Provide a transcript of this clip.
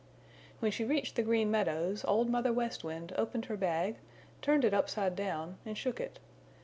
When she reached the Green Meadows Old Mother West Wind opened her bag, turned it upside down and shook it.